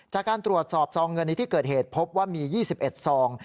จากการตรวจสอบซองเงินในที่เกิดเหตุพบว่ามี๒๑ซอง